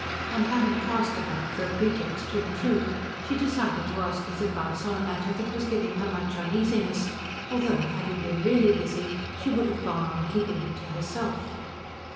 And having cast about for a pretext to intrude, she decided to ask his advice on a matter that was giving her much uneasiness; though, had he been REALLY busy, she would have gone on keeping it to herself.